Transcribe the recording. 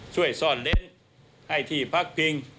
ช่วยซ่อนเล้นให้ที่พักพิง